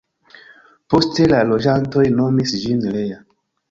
Poste la loĝantoj nomis ĝin Lea.